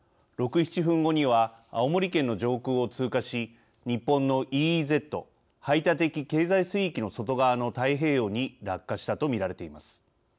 ６、７分後には青森県の上空を通過し日本のＥＥＺ＝排他的経済水域の外側の太平洋に落下したと見られています。